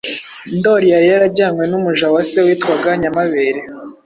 Ndoli yari yarajyanywe n’umuja wa se witwaga Nyamabere,